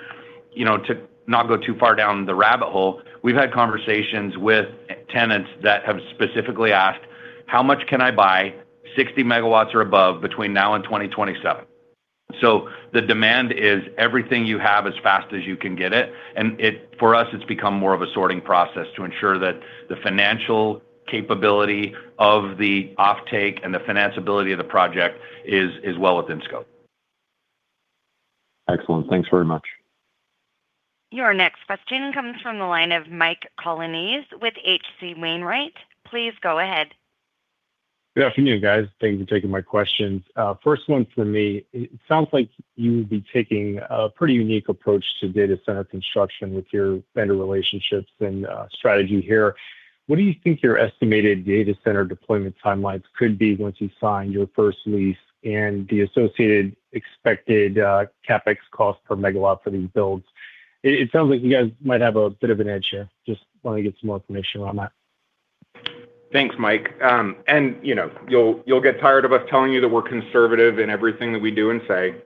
you know, to not go too far down the rabbit hole, we've had conversations with tenants that have specifically asked, "How much can I buy 60 megawatts or abovebetween now and 2027?" The demand is everything you have as fast as you can get it. It's become more of a sorting process to ensure that the financial capability of the offtake and the financability of the project is well within scope. Excellent. Thanks very much. Your next question comes from the line of Mike Colonnese with H.C. Wainwright. Please go ahead. Good afternoon, guys. Thanks for taking my questions. First one from me. It sounds like you will be taking a pretty unique approach to data center construction with your vendor relationships and strategy here. What do you think your estimated data center deployment timelines could be once you've signed your first lease and the associated expected CapEx cost per megawatt for these builds? It sounds like you guys might have a bit of an edge here. Just want to get some more information around that. Thanks, Mike. You know, you'll get tired of us telling you that we're conservative in everything that we do and say.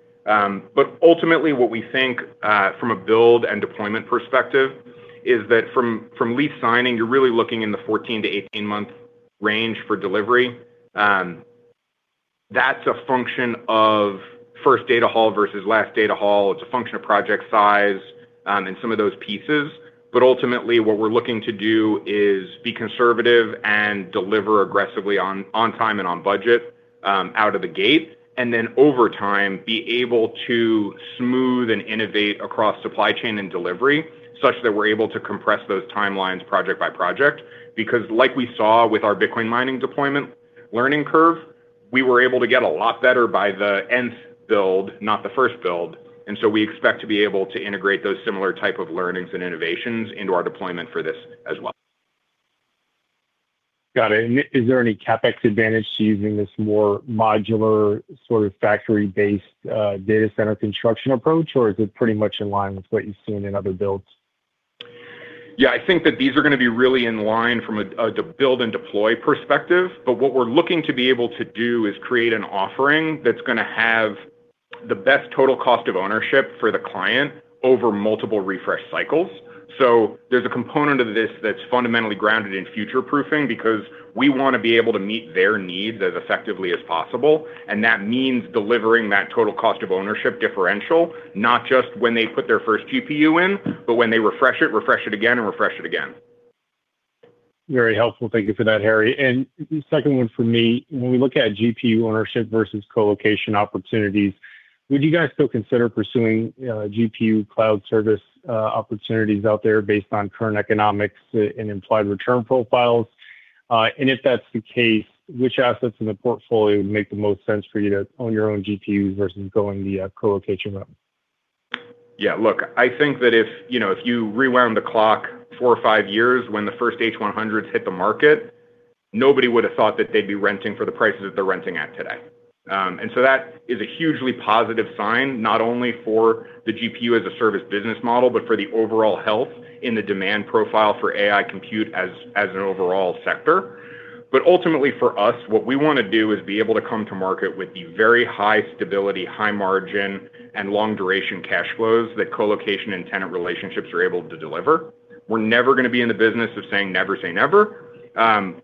Ultimately what we think from a build and deployment perspective is that from lease signing, you're really looking in the 14-18-month range for delivery. That's a function of 1st data hall versus last data hall. It's a function of project size and some of those pieces. Ultimately, what we're looking to do is be conservative and deliver aggressively on time and on budget out of the gate, over time, be able to smooth and innovate across supply chain and delivery such that we're able to compress those timelines project by project. Like we saw with our Bitcoin mining deployment learning curve, we were able to get a lot better by the nth build, not the first build. We expect to be able to integrate those similar type of learnings and innovations into our deployment for this as well. Got it. Is there any CapEx advantage to using this more modular sort of factory-based, data center construction approach, or is it pretty much in line with what you've seen in other builds? Yeah, I think that these are gonna be really in line from a build and deploy perspective. What we're looking to be able to do is create an offering that's gonna have the best total cost of ownership for the client over multiple refresh cycles. There's a component of this that's fundamentally grounded in future-proofing because we wanna be able to meet their needs as effectively as possible, and that means delivering that total cost of ownership differential, not just when they put their first GPU in, but when they refresh it, refresh it again, and refresh it again. Very helpful. Thank you for that, Harry. The second one for me, when we look at GPU ownership versus co-location opportunities, would you guys still consider pursuing GPU cloud service opportunities out there based on current economics and implied return profiles? If that's the case, which assets in the portfolio would make the most sense for you to own your own GPUs versus going the co-location route? Yeah. Look, I think that if, you know, if you rewound the clock four or five years when the first H100 hit the market, nobody would have thought that they'd be renting for the prices that they're renting at today. That is a hugely positive sign, not only for the GPU as a service business model, but for the overall health in the demand profile for AI compute as an overall sector. Ultimately, for us, what we wanna do is be able to come to market with the very high stability, high margin, and long duration cash flows that co-location and tenant relationships are able to deliver. We're never gonna be in the business of saying never say never.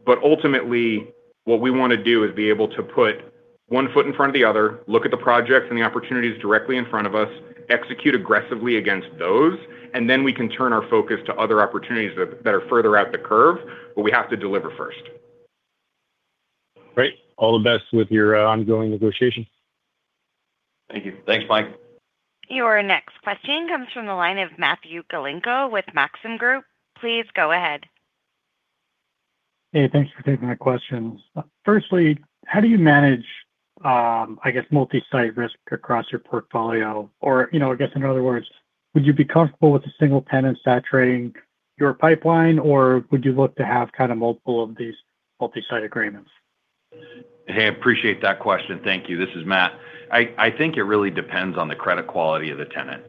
Ultimately, what we wanna do is be able to put one foot in front of the other, look at the projects and the opportunities directly in front of us, execute aggressively against those, and then we can turn our focus to other opportunities that are further out the curve, but we have to deliver first. Great. All the best with your ongoing negotiation. Thank you. Thanks, Mike. Your next question comes from the line of Matthew Galinko with Maxim Group. Please go ahead. Hey, thanks for taking my questions. Firstly, how do you manage, I guess multi-site risk across your portfolio? Or, you know, I guess in other words, would you be comfortable with a single tenant saturating your pipeline, or would you look to have kind of multiple of these multi-site agreements? Hey, appreciate that question. Thank you. This is Matt. I think it really depends on the credit quality of the tenant.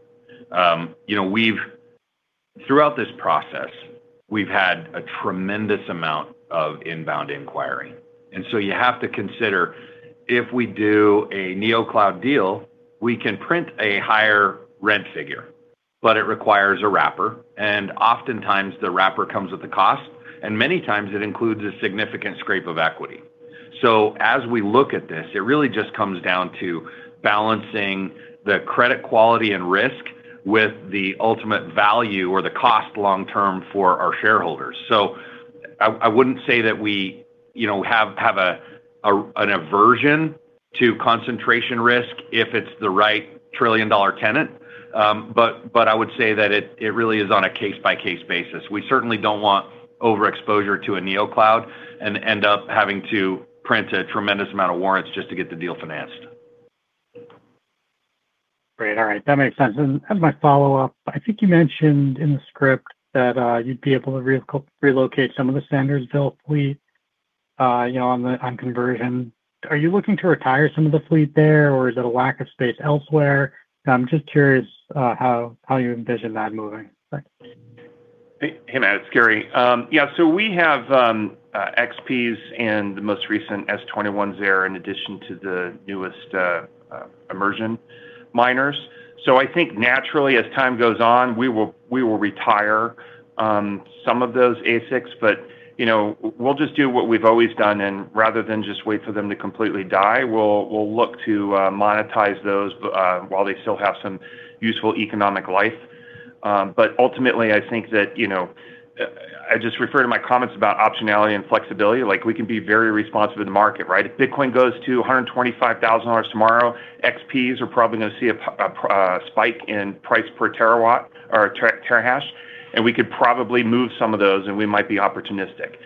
you know, throughout this process, we've had a tremendous amount of inbound inquiry. You have to consider if we do a Neocloud deal, we can print a higher rent figure. It requires a wrapper, and oftentimes the wrapper comes with a cost, and many times it includes a significant scrape of equity. As we look at this, it really just comes down to balancing the credit quality and risk with the ultimate value or the cost long term for our shareholders. I wouldn't say that we, you know, have an aversion to concentration risk if it's the right trillion-dollar tenant. but I would say that it really is on a case-by-case basis. We certainly don't want overexposure to a Neocloud and end up having to print a tremendous amount of warrants just to get the deal financed. Great. All right. That makes sense. As my follow-up, I think you mentioned in the script that you'd be able to relocate some of the Sandersville fleet, you know, on conversion. Are you looking to retire some of the fleet there, or is it a lack of space elsewhere? I'm just curious how you envision that moving. Thanks. Hey, hey Matt, it's Gary. We have XPs and the most recent S21s there in addition to the newest immersion miners. I think naturally as time goes on, we will retire some of those ASICs. You know, we'll just do what we've always done, and rather than just wait for them to completely die, we'll look to monetize those while they still have some useful economic life. Ultimately, I think that, you know, I just refer to my comments about optionality and flexibility. Like, we can be very responsive to the market, right? If Bitcoin goes to $125,000 tomorrow, XPs are probably gonna see a spike in price per terawatt or terahash, and we could probably move some of those, and we might be opportunistic.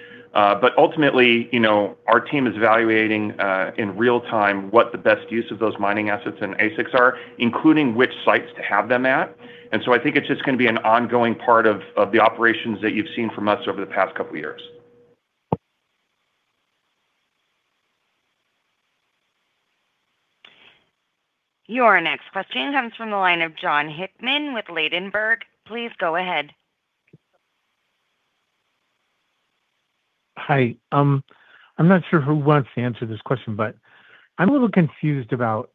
Ultimately, you know, our team is evaluating in real time what the best use of those mining assets and ASICs are, including which sites to have them at. I think it's just gonna be an ongoing part of the operations that you've seen from us over the past couple years. Your next question comes from the line of Jon Hickman with Ladenburg. Please go ahead. Hi. I'm not sure who wants to answer this question, but I'm a little confused about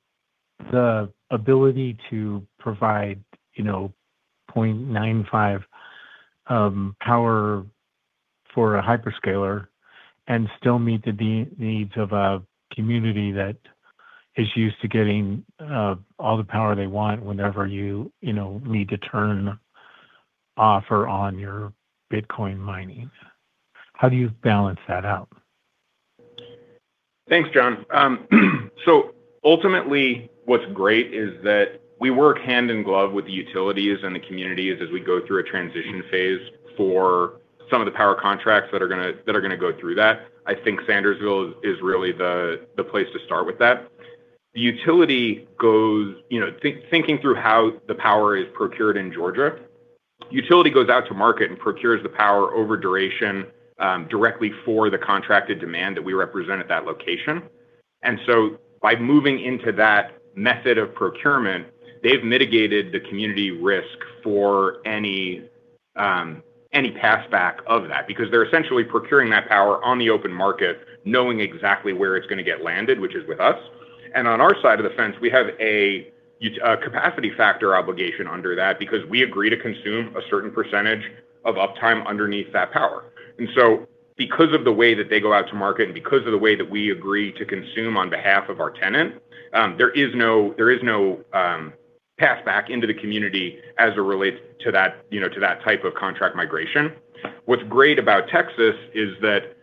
the ability to provide, you know, 0.95 power for a hyperscaler and still meet the needs of a community that is used to getting all the power they want whenever you know, need to turn off or on your Bitcoin mining. How do you balance that out? Thanks, Jon. Ultimately, what's great is that we work hand in glove with the utilities and the communities as we go through a transition phase for some of the power contracts that are gonna go through that. I think Sandersville is really the place to start with that. The utility goes. You know, thinking through how the power is procured in Georgia, utility goes out to market and procures the power over duration, directly for the contracted demand that we represent at that location. By moving into that method of procurement, they've mitigated the community risk for any passback of that because they're essentially procuring that power on the open market, knowing exactly where it's gonna get landed, which is with us. On our side of the fence, we have a capacity factor obligation under that because we agree to consume a certain percentage of uptime underneath that power. Because of the way that they go out to market and because of the way that we agree to consume on behalf of our tenant, there is no pass back into the community as it relates to that, you know, to that type of contract migration. What's great about Texas is that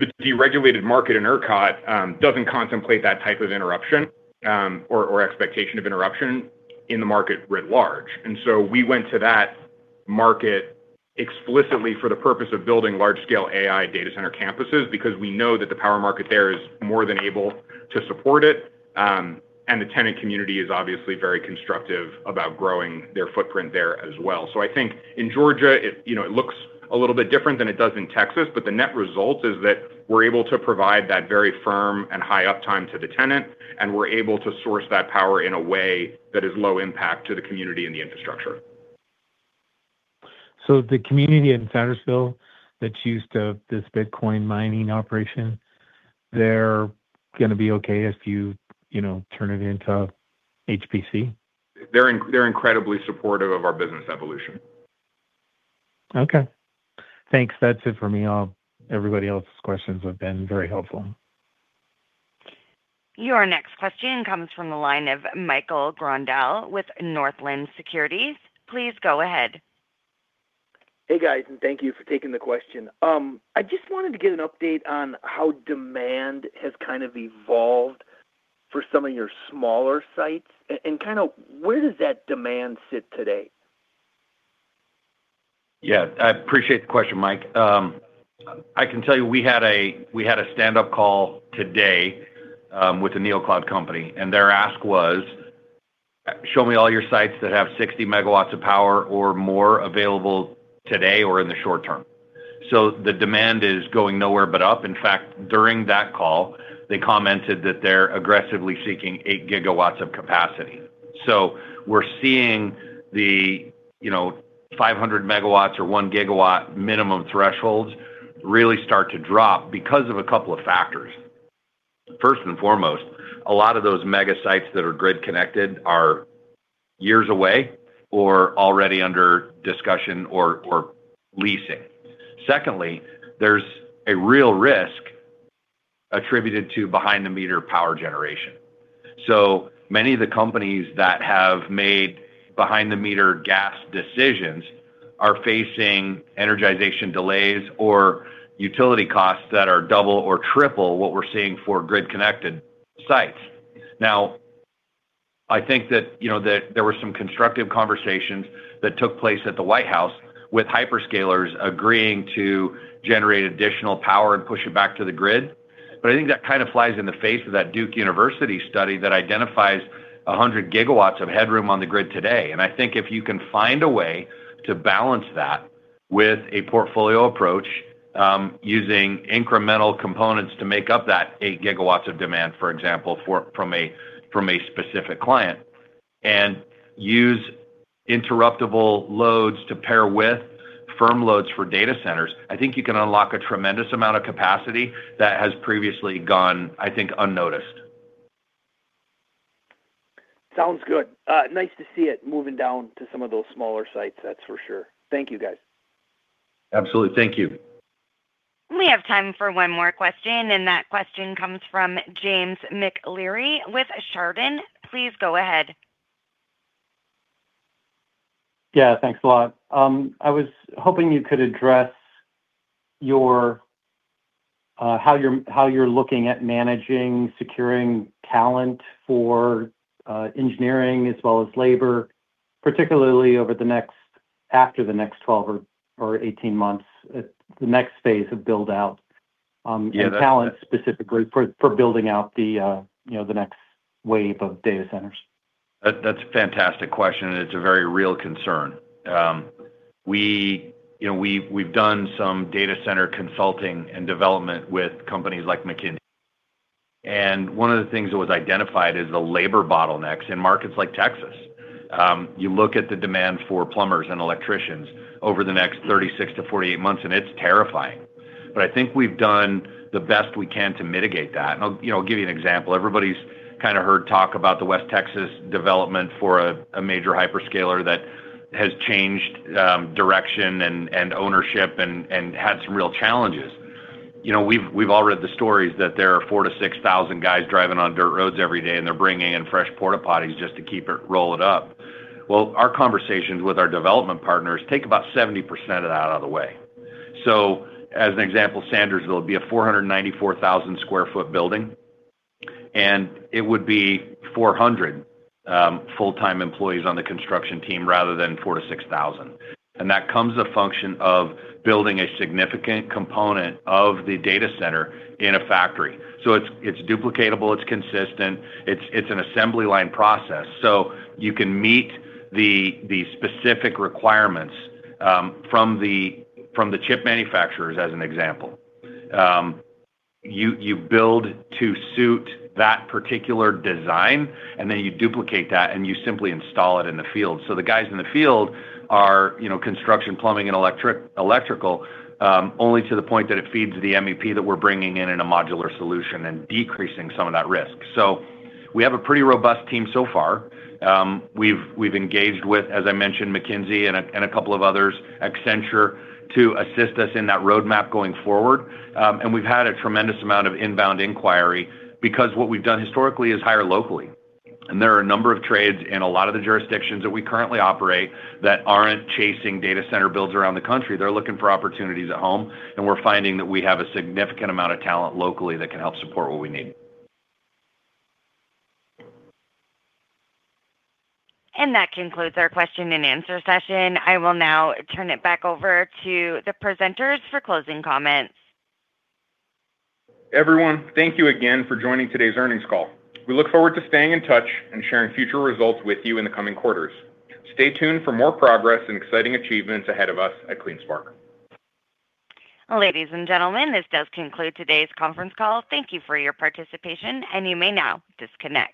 the deregulated market in ERCOT doesn't contemplate that type of interruption or expectation of interruption in the market writ large. We went to that market explicitly for the purpose of building large scale AI data center campuses because we know that the power market there is more than able to support it. The tenant community is obviously very constructive about growing their footprint there as well. I think in Georgia, it, you know, it looks a little bit different than it does in Texas, but the net result is that we're able to provide that very firm and high uptime to the tenant, and we're able to source that power in a way that is low impact to the community and the infrastructure. The community in Sandersville that's used to this Bitcoin mining operation, they're gonna be okay if you know, turn it into HPC? they're incredibly supportive of our business evolution. Okay. Thanks. That's it for me. All everybody else's questions have been very helpful. Your next question comes from the line of Michael Grondahl with Northland Securities. Please go ahead. Hey, guys, and thank you for taking the question. I just wanted to get an update on how demand has kind of evolved for some of your smaller sites and kinda where does that demand sit today? Yeah. I appreciate the question, Mike. I can tell you we had a stand-up call today with the Neocloud company, and their ask was, "Show me all your sites that have 60 MW of power or more available today or in the short term." The demand is going nowhere but up. In fact, during that call, they commented that they're aggressively seeking 8 GW of capacity. We're seeing the, you know, 500 MW or 1 GW minimum thresholds really start to drop because of a couple of factors. First and foremost, a lot of those mega sites that are grid connected are years away or already under discussion or leasing. Secondly, there's a real risk attributed to behind-the-meter power generation. Many of the companies that have made behind-the-meter gas decisions are facing energization delays or utility costs that are double or triple what we're seeing for grid connected sites. Now, I think that, you know, that there were some constructive conversations that took place at the White House with hyperscalers agreeing to generate additional power and push it back to the grid. I think that kind of flies in the face of that Duke University study that identifies 100 GW of headroom on the grid today. I think if you can find a way to balance that with a portfolio approach, using incremental components to make up that eight gigawatts of demand, for example, from a specific client, and use interruptible loads to pair with firm loads for data centers, I think you can unlock a tremendous amount of capacity that has previously gone, I think, unnoticed. Sounds good. Nice to see it moving down to some of those smaller sites. That's for sure. Thank you, guys. Absolutely. Thank you. We have time for one more question, and that question comes from James McIlree with Chardan. Please go ahead. Yeah. Thanks a lot. I was hoping you could address how you're looking at managing securing talent for engineering as well as labor, particularly after the next 12 or 18 months at the next phase of build-out. Yeah. That- Talent specifically for building out the, you know, the next wave of data centers. That, that's a fantastic question, and it's a very real concern. We, you know, we've done some data center consulting and development with companies like McKinsey, and one of the things that was identified is the labor bottlenecks in markets like Texas. You look at the demand for plumbers and electricians over the next 36 to 48 months, and it's terrifying. I think we've done the best we can to mitigate that. I'll, you know, give you an example. Everybody's kinda heard talk about the West Texas development for a major hyperscaler that has changed direction and ownership and had some real challenges. You know, we've all read the stories that there are 4,00-6,000 guys driving on dirt roads every day, and they're bringing in fresh porta potties just to keep it rolling up. Well, our conversations with our development partners take about 70% of that out of the way. As an example, Sandersville will be a 494,000 sq ft building, and it would be 400 full-time employees on the construction team rather than 4,000 - 6,000. That comes a function of building a significant component of the data center in a factory. It's duplicatable, it's consistent, it's an assembly line process. You can meet the specific requirements from the chip manufacturers as an example. You build to suit that particular design, and then you duplicate that, and you simply install it in the field. The guys in the field are, you know, construction, plumbing, and electrical, only to the point that it feeds the MEP that we're bringing in in a modular solution and decreasing some of that risk. We have a pretty robust team so far. We've engaged with, as I mentioned, McKinsey and a couple of others, Accenture, to assist us in that roadmap going forward. We've had a tremendous amount of inbound inquiry because what we've done historically is hire locally. There are a number of trades in a lot of the jurisdictions that we currently operate that aren't chasing data center builds around the country. They're looking for opportunities at home, and we're finding that we have a significant amount of talent locally that can help support what we need. That concludes our question and answer session. I will now turn it back over to the presenters for closing comments. Everyone, thank you again for joining today's earnings call. We look forward to staying in touch and sharing future results with you in the coming quarters. Stay tuned for more progress and exciting achievements ahead of us at CleanSpark. Ladies and gentlemen, this does conclude today's conference call. Thank you for your participation, and you may now disconnect.